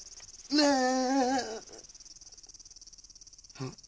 あっ。